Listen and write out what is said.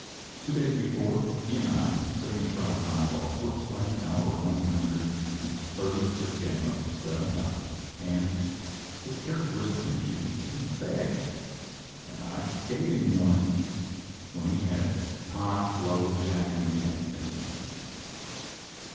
Two days before, he and I, sitting astride a pine log, were play ing our one hundred and thirty fifth game of "seven up," and, with characteristic impudence, he " begged," and I " gave him one," when he had " high, low. Jack, and the game " in his hands.